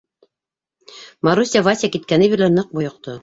Маруся Вася киткәне бирле ныҡ бойоҡто.